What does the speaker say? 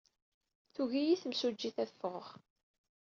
Tugi-iyi temsujjit ad ffɣeɣ.